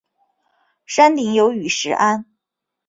山顶有雨石庵。